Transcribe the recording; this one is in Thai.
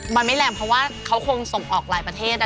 มันไม่แรงเพราะว่าเขาคงส่งออกหลายประเทศ